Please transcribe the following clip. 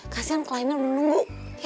kasian kliennya udah nunggu